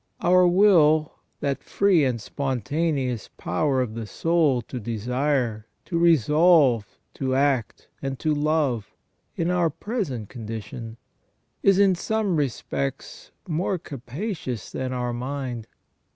Our will, that free and spontaneous power of the soul to desire, to resolve, to act, and to love, in our present condition, is in some respects more capacious than our mind.